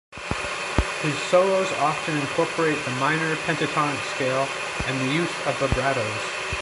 His solos often incorporate the minor pentatonic scale and the use of vibratos.